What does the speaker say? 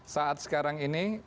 saat sekarang ini